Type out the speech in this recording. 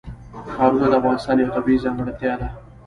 ښارونه د افغانستان یوه طبیعي ځانګړتیا ده.